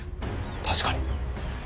確かに。